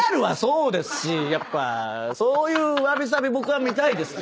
やっぱそういうわびさび僕は見たいですよ。